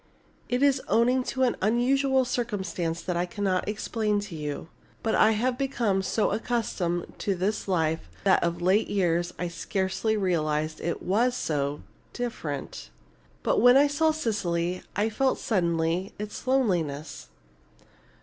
It is owing to unusual circumstances that I cannot explain to you. But I have become so accustomed to this life that of late years I scarcely realized it was so different. But when I saw Cecily I felt suddenly its loneliness."